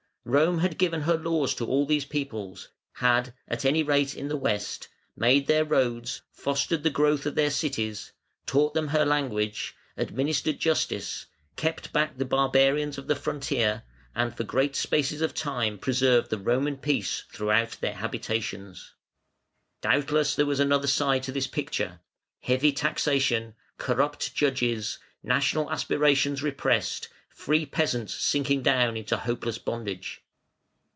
Rome had given her laws to all these peoples, had, at any rate in the West, made their roads, fostered the growth of their cities, taught them her language, administered justice, kept back the barbarians of the frontier, and for great spaces of time preserved "the Roman peace" throughout their habitations. Doubtless there was another side to this picture: heavy taxation, corrupt judges, national aspirations repressed, free peasants sinking down into hopeless bondage.